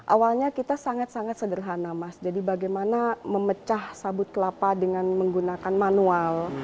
awalnya kita sangat sangat sederhana mas jadi bagaimana memecah sabut kelapa dengan menggunakan manual